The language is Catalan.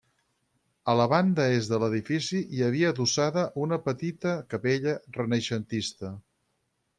A la banda est de l’edifici hi havia adossada una petita capella renaixentista.